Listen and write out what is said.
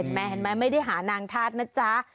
เห็นมั้ยไม่ได้หานางทาสนะจ๊ะ